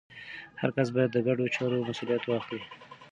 هر کس باید د ګډو چارو مسوولیت واخلي.